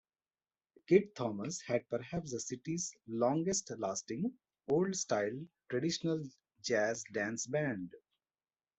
Kid Thomas had perhaps the city's longest lasting old-style traditional jazz dance band.